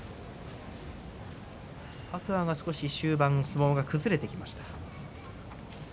天空海が終盤相撲が崩れてきました。